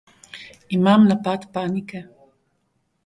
Imam napad panike.